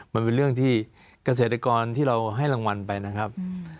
มันเป็นเรื่องที่เกษตรกรที่เราให้รางวัลไปนะครับ